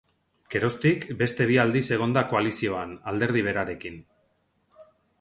Geroztik, beste bi aldiz egon da koalizioan, alderdi berarekin.